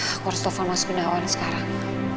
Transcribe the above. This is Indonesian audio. aku harus telfon mas gunawan sekarang